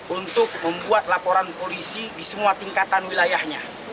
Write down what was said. untuk membuat laporan polisi di semua tingkatan wilayahnya